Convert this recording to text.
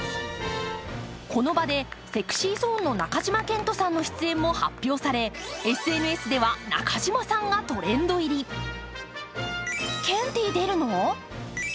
この場でＳｅｘｙＺｏｎｅの中島健人さんの出演も発表されＳＮＳでは中島さんがトレンド入り。と、話題に。